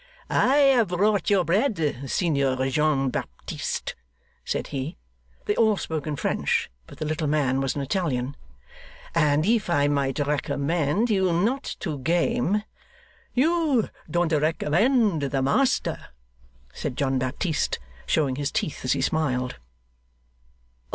'I have brought your bread, Signor John Baptist,' said he (they all spoke in French, but the little man was an Italian); 'and if I might recommend you not to game ' 'You don't recommend the master!' said John Baptist, showing his teeth as he smiled.